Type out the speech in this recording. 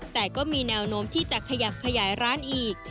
แต่ก็มีแนวโน้มที่จะขยับขยายร้านอีก